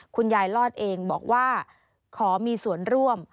คุณยายลอดเองบอกว่าขอมีส่วนร่วม